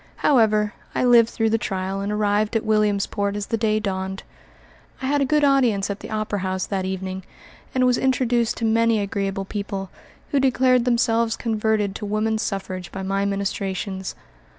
However, I lived through the trial and arrived at Williamsport as the day dawned. I had a good audience at the opera house that evening, and was introduced to many agreeable people, who declared themselves converted to woman suffrage by my ministrations.